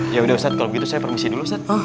yaudah ustadz kalau begitu saya permisi dulu ustadz